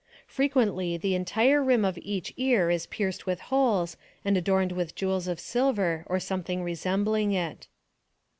Frequently the entire rim of each ear is pierced with holes, and adorned with jewels of silver, or something resembling it.